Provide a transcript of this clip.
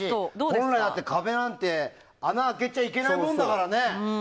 本来、壁なんて穴開けちゃいけないものだからね。